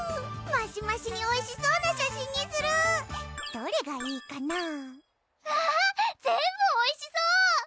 マシマシにおいしそうな写真にするどれがいいかなわぁ全部おいしそう